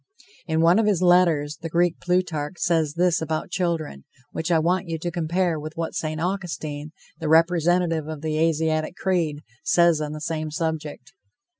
In one of his letters, the Greek Plutarch says this about children, which I want you to compare with what St. Augustine, the representative of the Asiatic creed, says on the same subject.